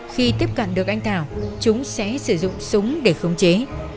khi tiếp cận được anh thảo chúng sẽ sử dụng súng để khống chế